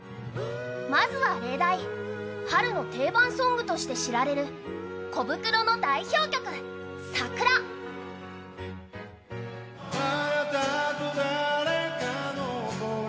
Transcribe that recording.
まずは例題、春の定番ソングとして知られるコブクロの代表曲「桜」。